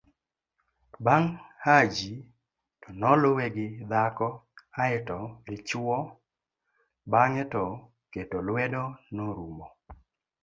bang' Haji to noluwe gi dhako aeto dichuwo bang'e to keto luedo norumo